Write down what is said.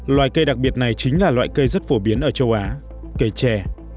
loại cây đặc biệt này chính là loại cây rất phổ biến ở châu á cây tre